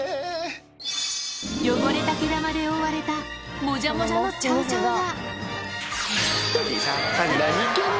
汚れた毛玉で覆われたもじゃもじゃのチャウチャウが。